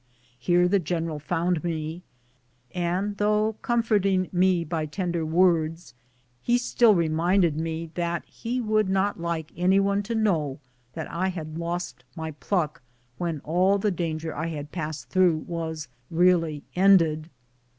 Here the general found me, and tliough comforting me by tender words, he still reminded me that he would not like any one to know that I had lost 26 BOOTS AND SADDLES. my pluck when all the danger I had passed through was really ended.